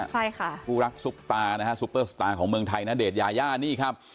ใช่ค่ะคู่รักซุปตานะฮะซุปเปอร์สตาร์ของเมืองไทยณเดชนยาย่านี่ครับ